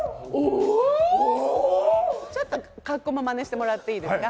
ちょっと格好もまねしてもらっていいですか？